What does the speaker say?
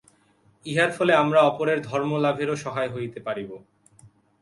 ইহার ফলে আমরা অপরের ধর্মলাভেরও সহায় হইতে পারিব।